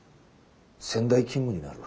仙台勤務になる。